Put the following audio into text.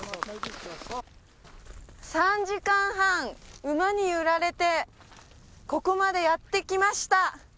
３時間半馬に揺られてここまでやって来ました